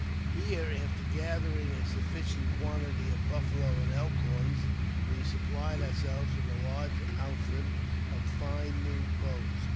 Here, after gathering a sufficien|H quantity of buffalo and elk horns, we supplied ourselves with a t large outfit of fine new bows.